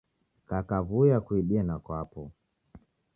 Kakaw'uya kuidie na kwapo.